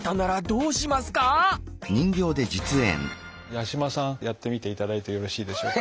こんなとき八嶋さんやってみていただいてよろしいでしょうか？